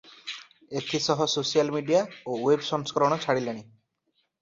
ଏଥି ସହ social media ଓ ୱେବ ସଂସ୍କରଣ ଛାଡ଼ିଲେଣି ।